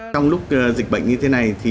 trong lúc dịch bệnh như thế này